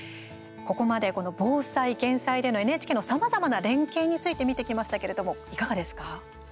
ここまで、この防災・減災でのＮＨＫのさまざまな連携について見てきましたけれどもいかがですか？